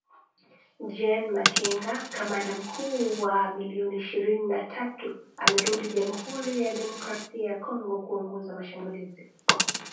Gen Makenga kamanda mkuu wa M ishirini na tatu amerudi Jamuhuri ya Demokrasia ya Kongo kuongoza mashambulizi